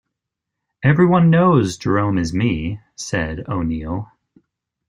"Everyone knows Jerome is me", said O'Neal.